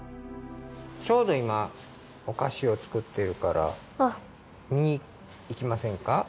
ちょうどいまおかしを作っているからみにいきませんか？